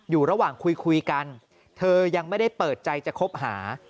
อยู่ระหว่างคุยคุยกันเธอยังไม่ได้เปิดใจจะคบหา